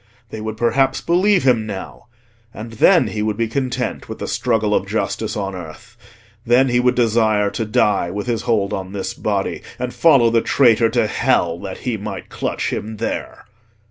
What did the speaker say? They would perhaps believe him now, and then he would be content with the struggle of justice on earth—then he would desire to die with his hold on this body, and follow the traitor to hell that he might clutch him there.